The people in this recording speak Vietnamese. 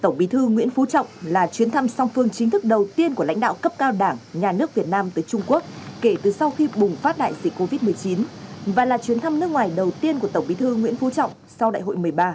tổng bí thư nguyễn phú trọng là chuyến thăm song phương chính thức đầu tiên của lãnh đạo cấp cao đảng nhà nước việt nam tới trung quốc kể từ sau khi bùng phát đại dịch covid một mươi chín và là chuyến thăm nước ngoài đầu tiên của tổng bí thư nguyễn phú trọng sau đại hội một mươi ba